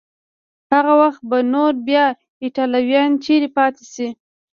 هغه وخت به نو بیا ایټالویان چیري پاتې شي؟